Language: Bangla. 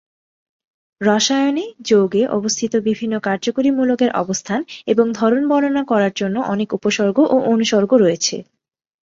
রসায়নে, যৌগে অবস্থিত বিভিন্ন কার্যকরী মূলকের অবস্থান এবং ধরন বর্ণনা করার জন্য অনেক উপসর্গ ও অনুসর্গ রয়েছে।